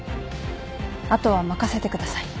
あとは任せてください。